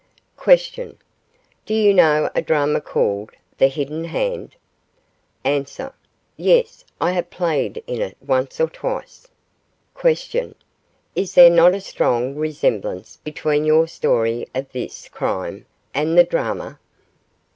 Q. Do you know a drama called 'The Hidden Hand'? A. Yes I have played in it once or twice. Q. Is there not a strong resemblance between your story of this crime and the drama?